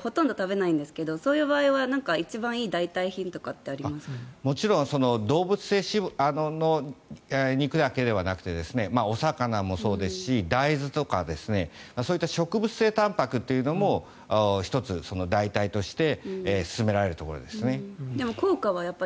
ほとんど食べないんですけどそういう場合は動物性の肉だけではなくてお魚もそうですし、大豆とか植物性たんぱくというのも１つ、代替として勧められるところです。